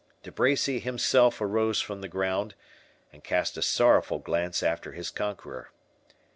De Bracy himself arose from the ground, and cast a sorrowful glance after his conqueror.